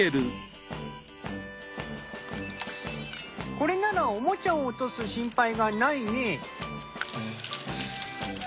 これならおもちゃを落とす心配がないね。